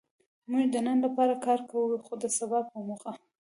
موږ د نن لپاره کار کوو؛ خو د سبا په موخه.